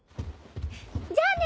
じゃあね！